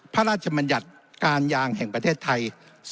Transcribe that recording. มัญญัติการยางแห่งประเทศไทย